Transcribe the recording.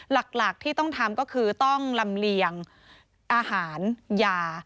หลักที่ต้องทำก็คือต้องลำเลียงอาหารยา